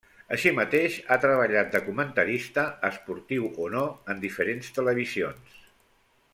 Així mateix ha treballat de comentarista, esportiu o no, en diferents televisions.